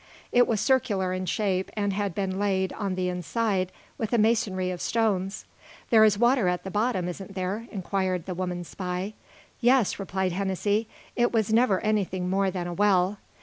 It was circular, in shape, and had been laid, on the inside, with a masonry of stones. "There is water at the bottom, isn't there?" inquired the woman Spy. "Yes," replied Hennessy. "It was never anything more than a well.